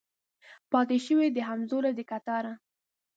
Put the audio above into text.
پاته شوي د همزولو د کتاره